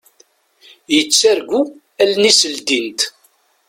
Yettargu allen-is ldint.